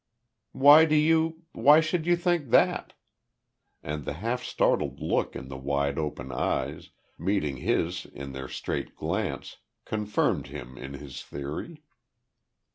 "Why do you why should you think that?" And the half startled look in the wide opened eyes, meeting his in their straight glance, confirmed him in his theory.